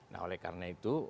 nah oleh karena itu